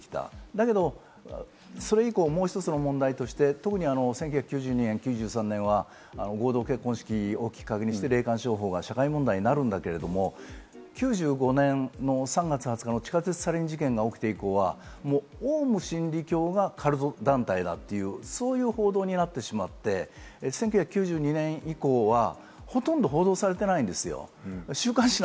だけどそれ以降、もう一つの問題として特に１９９２年、９３年は合同結婚式をきっかけにして霊感商法が社会問題になるんだけれども、９５年の３月２０日の地下鉄サリン事件が起きて以降はもう、オウム真理教がカルト団体だという報道になってしまって、１９９２年以降はほとんど報道されていないんですよ。